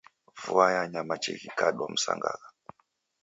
Vua yanya machi ghikadwa msangagha